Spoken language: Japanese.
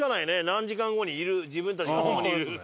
何時間後にいる自分たちがあそこにいる。